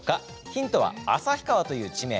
ヒントは旭川という地名。